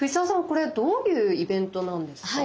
これどういうイベントなんですか？